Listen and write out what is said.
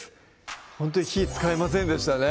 ほんとに火使いませんでしたね